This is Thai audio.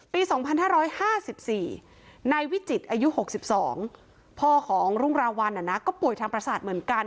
ปี๒๕๕๔นายวิจิตรอายุ๖๒พ่อของรุ่งราวัลก็ป่วยทางประสาทเหมือนกัน